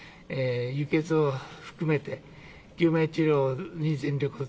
輸血を含めて救命治療に全力を